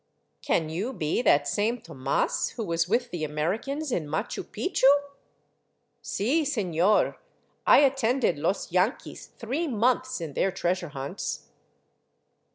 " Can you be that same Tomas who was with the Americans in Machu Picchu?" " Si, seiior, I attended los yanquis three months in their treasure hunts."